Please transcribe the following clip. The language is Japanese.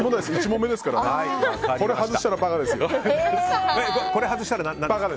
１問目ですからこれ外したら馬鹿ですよ。